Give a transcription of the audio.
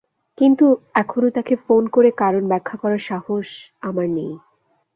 কিন্তু এখনো তাঁকে ফোন করে কারণ ব্যাখ্যা করার সাহস আমার নেই।